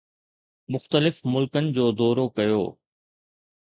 مختلف ملڪن جو دورو ڪيو